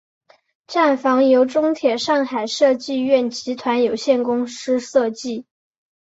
站房由中铁上海设计院集团有限公司设计。